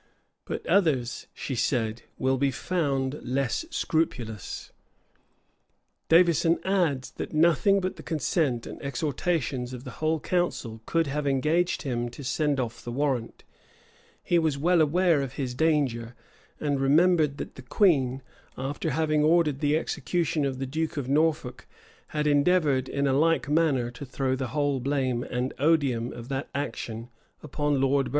"But others," she said, "will be found less scrupulous." Davison adds, that nothing but the consent and exhortations of the whole council could have engaged him to send off the warrant: he was well aware of his danger; and remembered that the queen, after having ordered the execution of the duke of Norfolk, had endeavored, in a like manner, to throw the whole blame and odium of that action upon Lord Burleigh.